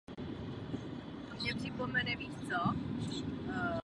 Připraví krále o všechen majetek a nakrátko také královské koruny.